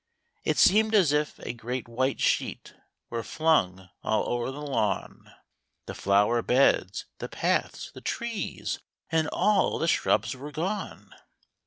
It seemed as if a great white sheet Were flung all o'er the lawn ; The flower beds, the paths, the trees And all the shrubs were gone